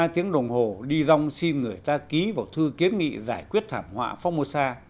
ba tiếng đồng hồ đi rong xin người ta ký vào thư kiến nghị giải quyết thảm họa phong mô sa